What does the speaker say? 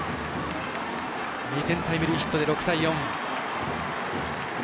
２点タイムリーヒットで６対４。